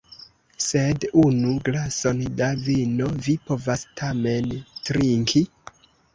Sed unu glason da vino vi povas tamen trinki?